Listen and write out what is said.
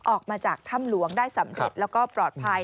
ออกมาจากถ้ำหลวงได้สำเร็จแล้วก็ปลอดภัย